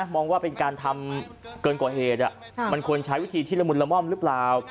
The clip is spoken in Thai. มองว่าเป็นการทำเกินกว่าเหตุมันควรใช้วิธีที่ละมุนละม่อมหรือเปล่า